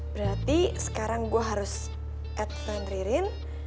berarti sekarang gue harus add friend ririn